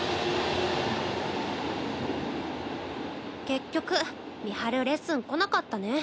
結局美晴レッスン来なかったね。